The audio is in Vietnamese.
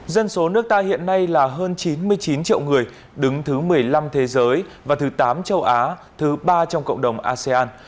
dân số nước ta hiện nay là hơn chín mươi chín triệu người đứng thứ một mươi năm thế giới và thứ tám châu á thứ ba trong cộng đồng asean